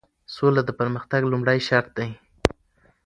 سوله د پرمختګ لومړی شرط دی.